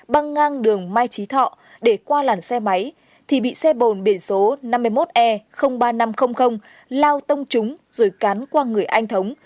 băng ngang đường mai trí thọ để qua làn xe máy thì bị xe bồn biển số năm mươi một e ba nghìn năm trăm linh lao tông trúng rồi cán qua người anh thống